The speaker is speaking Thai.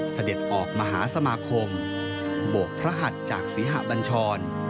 เสด็จออกมหาสมาคมโบกพระหัดจากศรีหะบัญชร